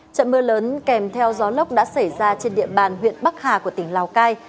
trận mưa lớn kèm theo gió lốc đã xảy ra trên địa bàn huyện bắc hà của tỉnh lào cai